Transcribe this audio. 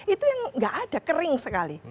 itu yang nggak ada kering sekali